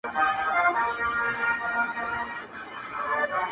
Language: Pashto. خداي دي ورکه کرونا کړي څه کانې په خلکو کاندي،